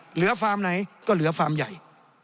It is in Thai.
ฟาร์มไหนก็เหลือฟาร์มใหญ่